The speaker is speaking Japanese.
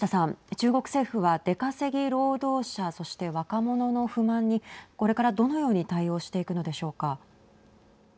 中国政府は出稼ぎ労働者そして若者の不満にこれからどのように対応していくのでしょうか。